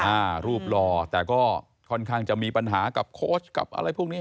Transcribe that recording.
อ่ารูปหล่อแต่ก็ค่อนข้างจะมีปัญหากับโค้ชกับอะไรพวกนี้